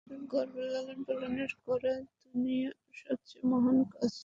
বাচ্চাকে গর্ভে লালনপালন করা দুনিয়ার সবচেয়ে মহান কাজ।